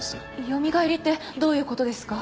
よみがえりってどういうことですか？